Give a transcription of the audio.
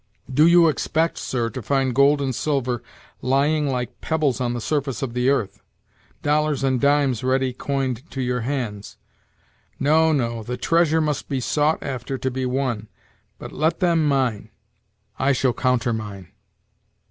"Do you expect, sir, to find gold and silver lying like pebbles on the surface of the earth? dollars and dimes ready coined to your hands? No, no the treasure must be sought after to be won. But let them mine; I shall countermine."